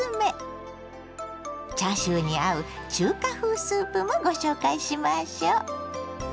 チャーシューに合う中華風スープもご紹介しましょ。